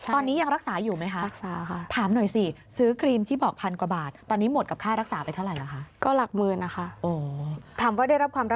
ตอนนี้อยู่ระหว่างการพูดคุย